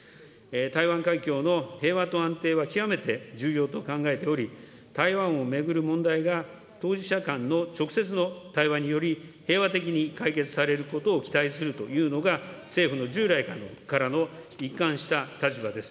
台湾海峡の平和と安定は極めて重要と考えており、台湾を巡る問題が当事者間の直接の対話により、平和的に解決されることを期待するというのが、政府の従来からの一貫した立場です。